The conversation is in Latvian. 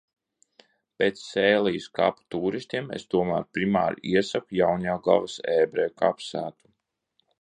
Bet Sēlijas kapu tūristiem es tomēr primāri iesaku Jaunjelgavas ebreju kapsētu.